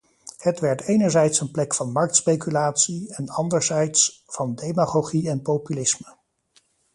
Het werd enerzijds een plek van marktspeculatie, en anderzijds van demagogie en populisme.